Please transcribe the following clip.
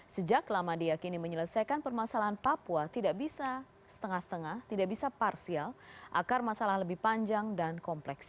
sejak lama diakini menyelesaikan permasalahan papua tidak bisa setengah setengah tidak bisa parsial akar masalah lebih panjang dan kompleks